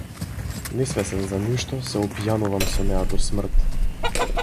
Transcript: Несвесен за ништо, се опијанувам со неа до смрт.